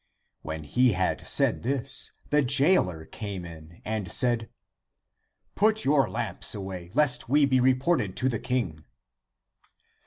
When he had said this, the jailer came in and said. " Put your lamps away, lest we be reported to the king."